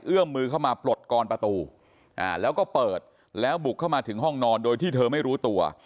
มือเข้ามาปลดกรประตูแล้วก็เปิดแล้วบุกเข้ามาถึงห้องนอนโดยที่เธอไม่รู้ตัว